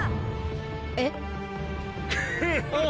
えっ？